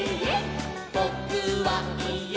「ぼ・く・は・い・え！